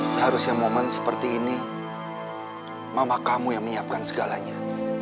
seharusnya momen seperti ini mama kamu yang menyiapkan segalanya